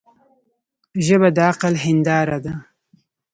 ژبه د عقل هنداره ده